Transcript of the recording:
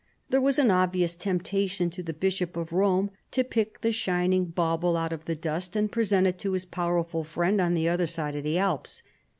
Tbere was an obvious temptation to tlie Bishop of Rome to pick the shining bauble out of the dust and present it to his powerful friend on the other side of the Alps.